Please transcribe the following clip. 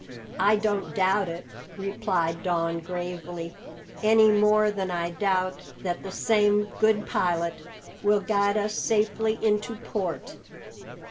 "I don't doubt it," replied Don gravely, "any more than I doubt that the same Good Pilot will guide us safely into port.